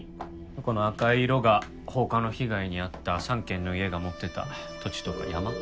この赤い色が放火の被害に遭った３軒の家が持っていた土地とか山。